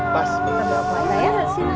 mas kita berapa ya